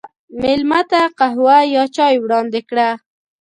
مېلمه ته قهوه یا چای وړاندې کړه.